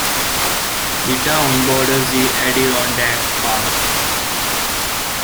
The town borders the Adirondack Park.